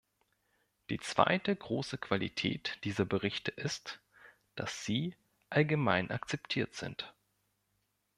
Die zweite große Qualität dieser Berichte ist, dass sie allgemein akzeptiert sind.